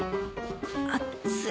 あっつい。